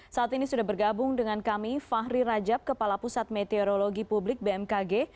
saat ini sudah bergabung dengan kami fahri rajab kepala pusat meteorologi publik bmkg